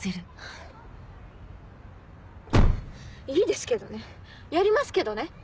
いいですけどねやりますけどね。